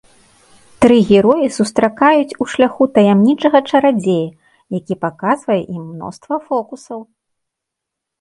Тры героі сустракаюць у шляху таямнічага чарадзея, які паказвае ім мноства фокусаў.